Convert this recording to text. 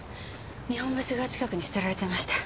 日本橋川近くに捨てられてました。